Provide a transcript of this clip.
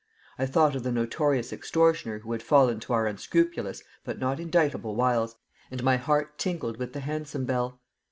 I thought of the notorious extortioner who had fallen to our unscrupulous but not indictable wiles; and my heart tinkled with the hansom bell.